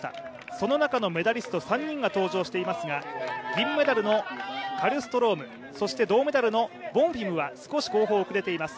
その中のメダリスト３人が登場していますが銀メダルのカルストロームそして銅メダルのボンフィムは少し後方、遅れています。